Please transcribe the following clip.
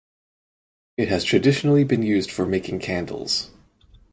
It has traditionally been used for making candles.